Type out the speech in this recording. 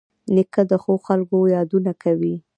نیکه د ښو خلکو یادونه کوي.